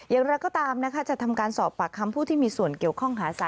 อย่างนั้นก็ตามนะคะจะทำการสอบปาก